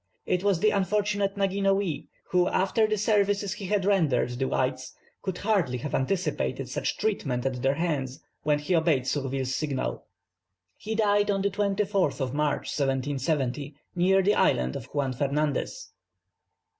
It was the unfortunate Naginoui, who, after the services he had rendered the whites, could hardly have anticipated such treatment at their hands, when he obeyed Surville's signal." He died on the 24th of March, 1770, near the island of Juan Fernandez.